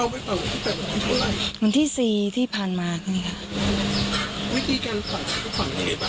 เหมือนที่๔ที่ผ่านมาค่ะ